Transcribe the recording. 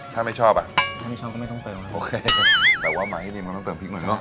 ถ้าไม่ชอบอ่ะถ้าไม่ชอบก็ไม่ต้องเติมโอเคแต่ว่าไม้ที่นี่มันต้องเติมพริกหน่อยเนอ